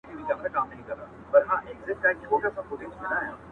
• نوی ژوند نوی امید ورته پیدا سو ,